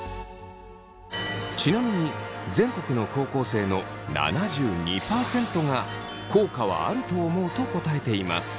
ちなみに全国の高校生の７２％が効果はあると思うと答えています。